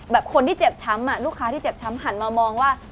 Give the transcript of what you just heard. คนที่เจ็บช้ำลูกค้าที่เจ็บช้ำหันมามองว่า